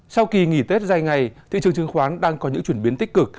sau kỳ nghỉ tết dài ngày thị trường chứng khoán đang có những chuyển biến tích cực